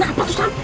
apa tuh sam